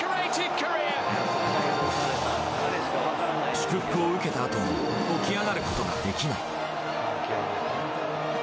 祝福を受けたあとも起き上がることができない。